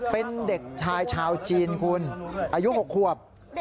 เป็นเด็กชายชาวจีนคุณอายุ๖ขวบ